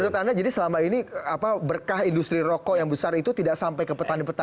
menurut anda jadi selama ini berkah industri rokok yang besar itu tidak sampai ke petani petani